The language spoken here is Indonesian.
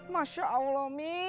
masya allah mi